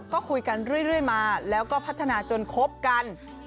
ก็คุยกันเรื่อยมาแล้วก็พัฒนาจนคบกัน